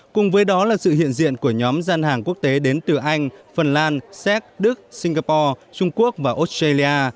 cùng với đó là sự hiện diện của nhóm gian hàng quốc tế đến từ anh phần lan séc đức singapore trung quốc và australia